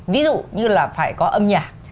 ví dụ như là phải có âm nhạc